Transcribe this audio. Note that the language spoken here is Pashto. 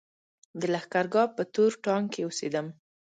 د لښکرګاه په تور ټانګ کې اوسېدم.